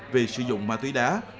vì sử dụng ma túy đá